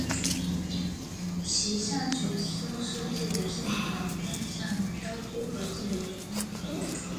旗下角色设计的线条偏向飘忽和自由的风格。